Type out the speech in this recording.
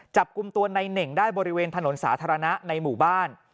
จับกลุ่มตัวในเน่งได้บริเวณถนนสาธารณะในหมู่บ้าน